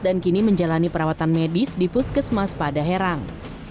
dan kini menjalani perawatan medis di puskesmas padaherang